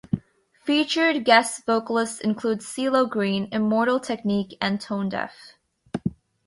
Featured guest vocalists include Cee-Lo Green, Immortal Technique, and Tonedeff.